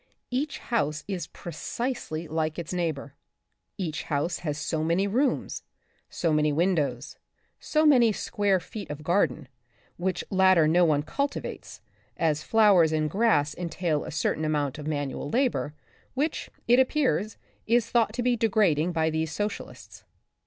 Each house is precisely like its neighbor. Each house has so many rooms, so many windows, so many square feet of garden, which latter no one cultivates, as flowers and grass entail a certain amount of manual labor, which, it appears, is thought to be degrading by these socialists.